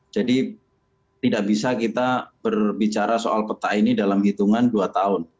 jadi tidak bisa kita berbicara soal peta ini dalam hitungan dua tahun